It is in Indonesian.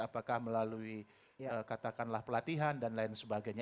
apakah melalui katakanlah pelatihan dan lain sebagainya